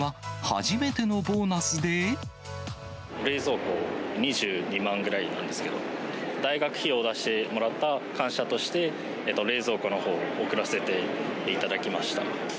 冷蔵庫、２２万ぐらいなんですけど、大学費用を出してもらった感謝として、冷蔵庫のほうを贈らせていただきました。